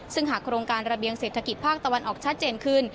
ซึ่งหากโครงการระเบียงเศรษฐกิจภาคตะวันออกชัดเจนขึ้น